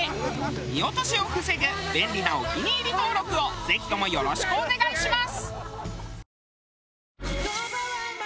見落としを防ぐ便利なお気に入り登録をぜひともよろしくお願いします！